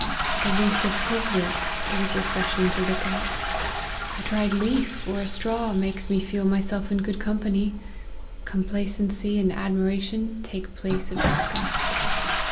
The least of His works it is refreshing to look at. A dried leaf, or a straw, makes me feel myself in good company : compla cency and admiration take place of disgust.